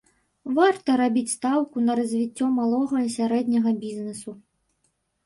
Варта рабіць стаўку на развіццё малога і сярэдняга бізнесу.